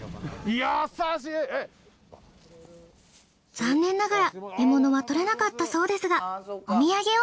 残念ながら獲物はとれなかったそうですがお土産を。